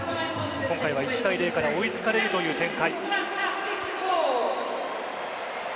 今回は１対０から追いつかれるという展開。